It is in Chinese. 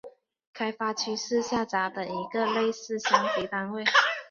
开发区是下辖的一个类似乡级单位。